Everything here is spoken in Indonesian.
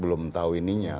belum tahu ininya